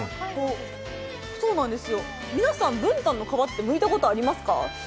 皆さん、文旦の皮ってむいたことありますか？